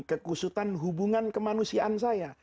kekusutan hubungan kemanusiaan saya